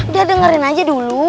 udah dengerin aja dulu